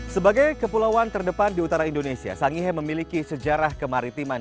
sebagai kepulauan terdepan di utara indonesia sangihe memiliki sejarah kemaritiman